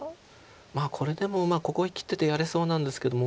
まあこれでもここへ切っててやれそうなんですけども。